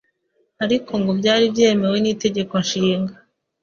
ariko ngo byari byemewe n’Itegeko Nshinga